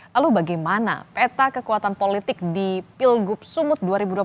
lalu bagaimana peta kekuatan politik di pilgub sumut dua ribu dua puluh